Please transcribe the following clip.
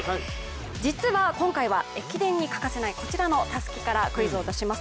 実は今回は駅伝に欠かせないこちらのたすきから出します。